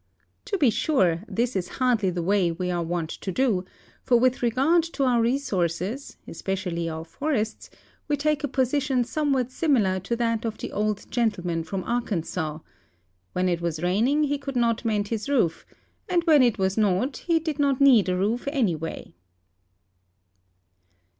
To be sure, this is hardly the way we are Avont to do, for with regard to our resources, especially our for ests, we take a position somewhat similar to that of the old gen tleman from Arkansas :" When it was raining he could not mend his roof, and when it was not he did not need a roof any way."